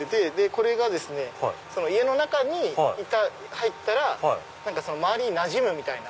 これが家の中に入ったら周りになじむみたいな。